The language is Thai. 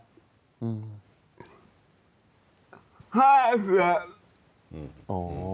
ฆ่าเสียบ